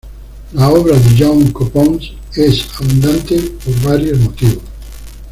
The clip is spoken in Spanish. La obra de Jaume Copons es abundante por varios motivos.